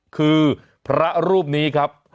คือพระรูปนี้ครับ